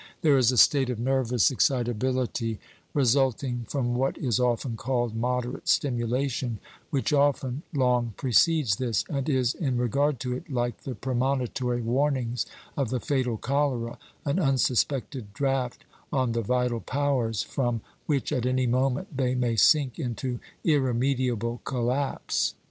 There is a state of nervous excitability, resulting from what is often called moderate stimulation, which often long precedes this, and is, in regard to it, like the premonitory warnings of the fatal cholera an unsuspected draught on the vital powers, from which, at any moment, they may sink into irremediable collapse.